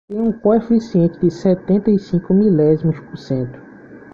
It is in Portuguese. Tem um coeficiente de setenta e cinco milésimos por cento.